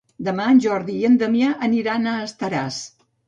Demà en Jordi i en Damià aniran a Estaràs.